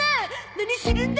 何するんだ！？